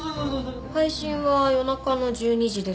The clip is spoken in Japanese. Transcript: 配信は夜中の１２時ですよね？